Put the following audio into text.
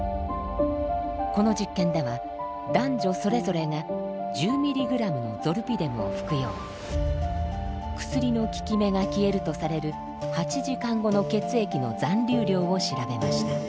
この実験では男女それぞれが１０ｍｇのゾルピデムを服用薬の効き目が消えるとされる８時間後の血液の残留量を調べました。